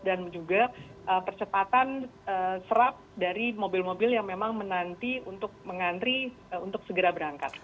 dan juga percepatan serap dari mobil mobil yang memang menanti untuk mengantri untuk segera berangkat